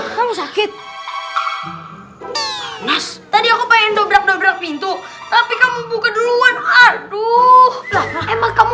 kamu sakit nah tadi aku pengen dobrak dobrak pintu tapi kamu buka duluan aduh emang kamu